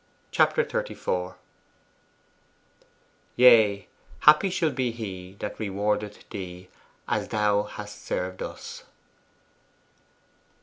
Chapter XXXIV 'Yea, happy shall he be that rewardeth thee as thou hast served us.